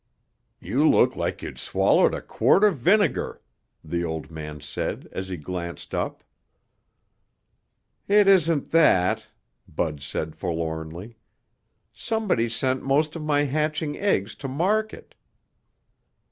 "You look like you'd swallowed a quart of vinegar," the old man said as he glanced up. "It isn't that," Bud said forlornly. "Somebody sent most of my hatching eggs to market."